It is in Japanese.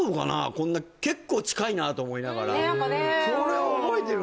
こんな結構近いなと思いながら何かねそれを覚えてるのよ